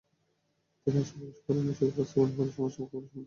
তিনি আশা প্রকাশ করেন, এসবের বাস্তবায়ন হলে সমস্যা মোকাবিলা সম্ভব হবে।